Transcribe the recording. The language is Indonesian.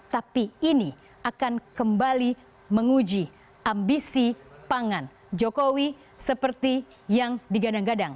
tapi ini akan kembali menguji ambisi pangan jokowi seperti yang digadang gadang